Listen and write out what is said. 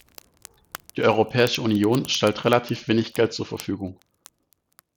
Die Europäische Union stellt relativ wenig Geld zur Verfügung.